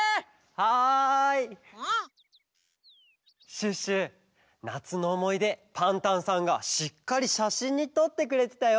シュッシュなつのおもいでパンタンさんがしっかりしゃしんにとってくれてたよ。